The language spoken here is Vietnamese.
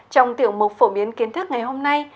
trong tiểu mục phổ biến kiến thức ngày hôm nay